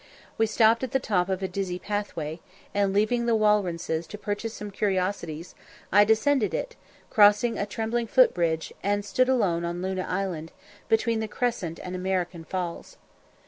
We stopped at the top of a dizzy pathway, and, leaving the Walrences to purchase some curiosities, I descended it, crossed a trembling foot bridge, and stood alone on Luna Island, between the Crescent and American Falls.